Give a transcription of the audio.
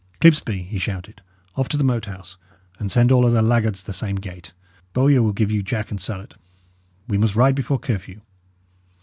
"Clipsby," he shouted, "off to the Moat House, and send all other laggards the same gate. Bowyer will give you jack and salet. We must ride before curfew.